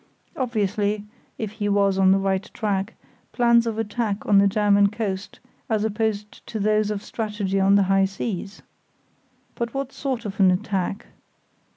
Obviously (if he was on the right track) plans of attack on the German coast as opposed to those of strategy on the high seas. But what sort of an attack?